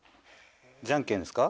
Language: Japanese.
じゃんけんですか？